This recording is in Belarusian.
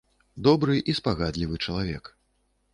Добры і спагадлівы чалавек.